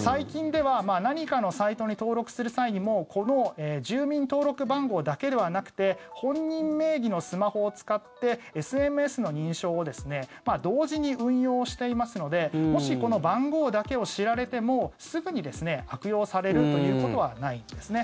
最近では何かのサイトに登録する際にもこの住民登録番号だけではなくて本人名義のスマホを使ってＳＭＳの認証を同時に運用していますのでもし、この番号だけを知られてもすぐに悪用されるということはないんですね。